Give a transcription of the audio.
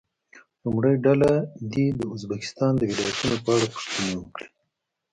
لومړۍ ډله دې د ازبکستان د ولایتونو په اړه پوښتنې وکړي.